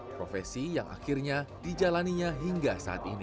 profesi yang akhirnya dijalaninya hingga saat ini